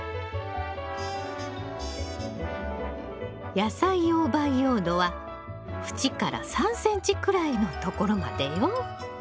野菜用培養土は縁から３ｃｍくらいのところまでよ。